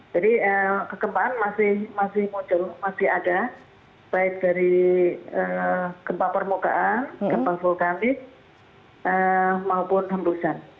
jadi kekempaan masih muncul masih ada baik dari kempah permukaan kempah vulkanik maupun hembusan